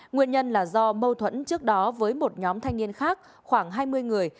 nguyên nhân là do mâu thuẫn trước đó với một nhóm thanh niên khác khoảng hai mươi người